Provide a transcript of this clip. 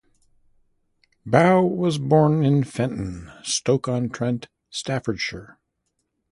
Bough was born in Fenton, Stoke-on-Trent, Staffordshire.